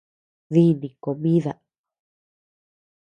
Díni comida.